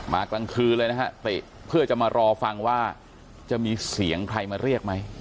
กลางคืนเลยนะฮะติเพื่อจะมารอฟังว่าจะมีเสียงใครมาเรียกไหม